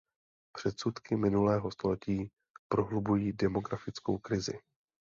Předsudky minulého století prohlubují demografickou krizi.